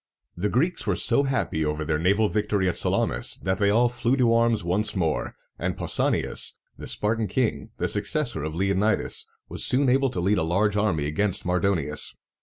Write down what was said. The Greeks were so happy over their naval victory at Salamis, that they all flew to arms once more; and Pau sa´ni as, the Spartan king, the successor of Leonidas, was soon able to lead a large army against Mardonius.